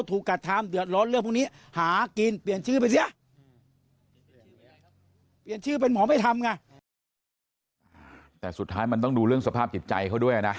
แต่สุดท้ายมันต้องดูเรื่องสภาพจิตใจเขาด้วยนะ